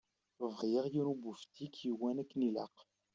Bɣiɣ yiwen ubiftik yewwan akken ilaq.